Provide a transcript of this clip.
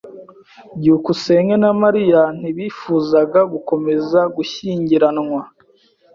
byukusenge na Mariya ntibifuzaga gukomeza gushyingiranwa.